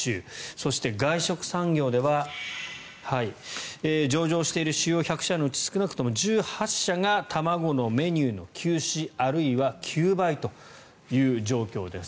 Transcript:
そして、外食産業では上場している主要１００社のうち少なくとも１８社が卵のメニューの休止あるいは休売という状況です。